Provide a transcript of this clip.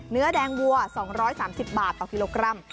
เนื้อแดงวัว๒๓๐บาทต่อกิโลกรัม